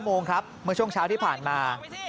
โมงครับเมื่อช่วงเช้าที่ผ่านมา